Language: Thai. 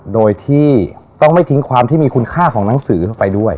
โดยที่ต้องไม่ทิ้งความที่มีคุณค่าของหนังสือเข้าไปด้วย